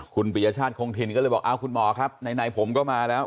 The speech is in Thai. คุณปริญญาชาติคงทินก็เลยบอกคุณหมอครับไหนผมก็มาแล้ว